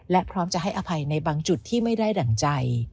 และพร้อมจะให้อภัยในบางจุดที่ไม่ได้ดั่งใจ